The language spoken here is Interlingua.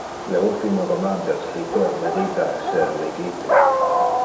Le ultime roman del scriptor merita esser legite.